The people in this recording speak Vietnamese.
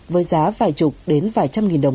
với giá vài chục đến vài trăm nghìn đồng